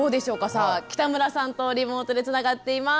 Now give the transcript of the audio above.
さあ北村さんとリモートでつながっています。